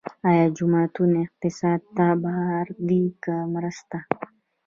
آیا جوماتونه اقتصاد ته بار دي که مرسته؟